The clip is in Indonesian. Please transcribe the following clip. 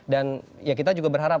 dan ya kita juga berharap